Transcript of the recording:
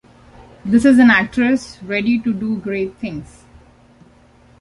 This is an actress ready to do great things.